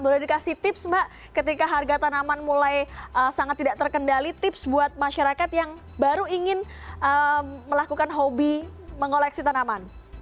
boleh dikasih tips mbak ketika harga tanaman mulai sangat tidak terkendali tips buat masyarakat yang baru ingin melakukan hobi mengoleksi tanaman